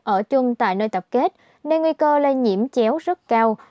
ở chung tại nơi tập kết nên nguy cơ lây nhiễm chéo rất cao